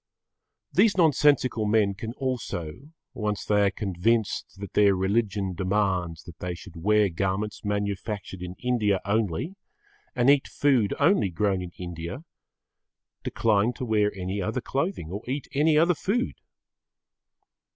These nonsensical men can also, once they are convinced that their religion demands that they should wear garments manufactured in India only and eat food only grown in India, decline to wear any other clothing or eat any other food.